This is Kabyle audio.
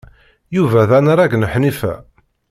Yuba d anarag n Ḥnifa.